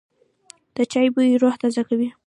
د چای بوی روح تازه کوي.